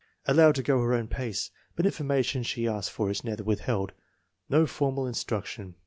Allowed to go her own pace, but information she asks for is never withheld. No formal instruction.